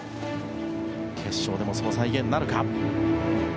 決勝でもその再現なるか。